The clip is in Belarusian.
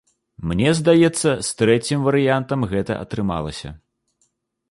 Мне здаецца, з трэцім варыянтам гэта атрымалася.